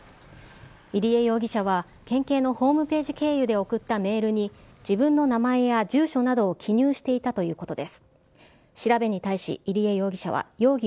入江容疑者は、県警のホームページ経由で送ったメールに、自分の名前や住所などを記入していたということです。